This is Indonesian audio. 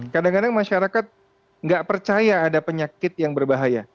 kadang kadang masyarakat nggak percaya ada penyakit yang berbahaya